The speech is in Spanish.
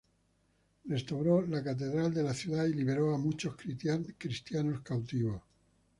Restauró la catedral de la ciudad y liberó a muchos cristianos cautivos.